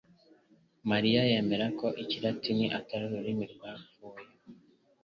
Mariya yemera ko Ikilatini atari ururimi rwapfuye.